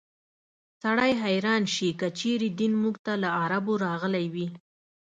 سړی حیران شي که چېرې دین موږ ته له عربو راغلی وي.